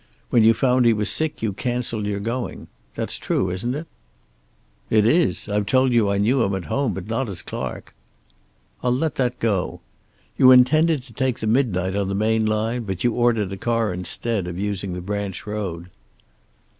When you found he was sick you canceled your going. That's true, isn't it?" "It is. I've told you I knew him at home, but not as Clark." "I'll let that go. You intended to take the midnight on the main line, but you ordered a car instead of using the branch road."